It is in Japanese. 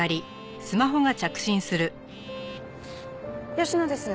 吉野です。